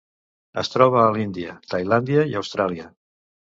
Es troba a l'Índia, Tailàndia i Austràlia.